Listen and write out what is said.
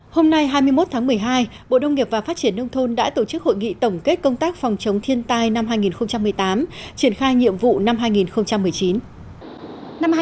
hôm nay hai mươi một tháng một mươi hai bộ đông nghiệp và phát triển nông thôn đã tổ chức hội nghị tổng kết công tác phòng chống thiên tai năm hai nghìn một mươi tám triển khai nhiệm vụ năm hai nghìn một mươi chín